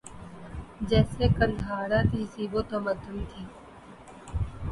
جیسے قندھارا تہذیب و تمدن تھی